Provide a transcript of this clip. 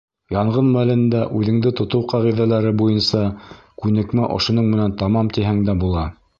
Янғын мәлендә үҙеңде тотоу ҡағиҙәләре буйынса күнекмә ошоноң менән тамам тиһәң дә була.